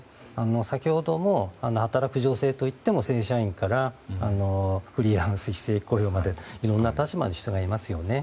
先ほども働く女性といっても正社員からフリーランス、非正規雇用までいろんな立場の人がいますよね。